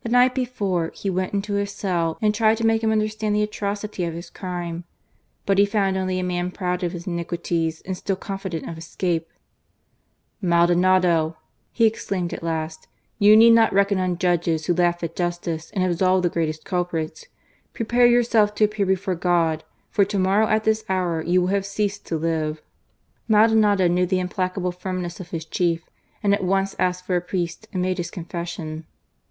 The night before, he went into his cell and tried to make him understand the atrocity of his crime. But he found only a man proud of his iniquities and still confident of escape. "Maldo* GARCIA MORENO. nado!" he exclaimed at last, "you need not reckon i on judges who laugh at justice and absolve the I greatest culprits. Prepare yourself to appear before God, for to morrow at this hour you will have J ceased to live." Maldonado knew the implacable firmness of hi& | chief, and at once asked for a priest and made his I confession.